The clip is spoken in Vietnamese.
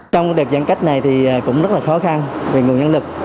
trong đợt giãn cách này thì cũng rất là khó khăn về nguồn nhân lực